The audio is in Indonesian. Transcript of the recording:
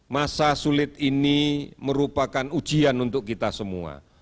masa sulit ini merupakan ujian untuk kita semua